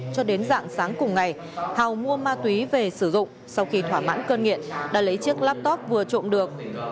cho đến dạng sáng cùng ngày thảo mua ma túy về sử dụng sau khi thỏa mãn cơn nghiện đã lấy chiếc laptop vừa trộm được